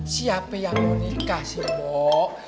siapa yang mau nikah sih mbok